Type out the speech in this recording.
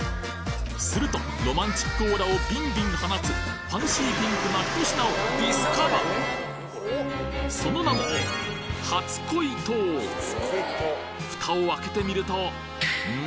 するとロマンチックオーラをびんびん放つファンシーピンクなひと品をその名もフタを開けてみるとうん？